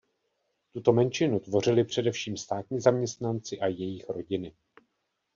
Tuto menšinu tvořili především státní zaměstnanci a jejich rodiny.